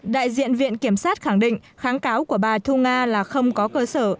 đại diện viện kiểm sát khẳng định kháng cáo của bà thu nga là không có cơ sở